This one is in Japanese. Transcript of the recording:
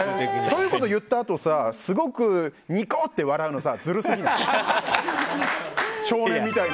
そういうこと言ったあとさすごくニコッて笑うのずるすぎない？